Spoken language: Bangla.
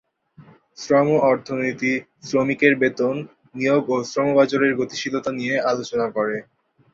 শ্রম অর্থনীতি শ্রমিকের বেতন, নিয়োগ ও শ্রম বাজারের গতিশীলতা নিয়ে আলোচনা করে।